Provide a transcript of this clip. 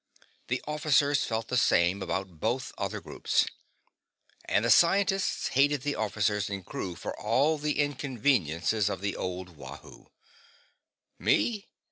The officers felt the same about both other groups. And the scientists hated the officers and crew for all the inconveniences of the old Wahoo. Me?